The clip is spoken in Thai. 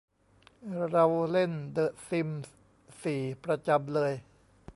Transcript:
เราเล่นเดอะซิมส์สี่ประจำเลย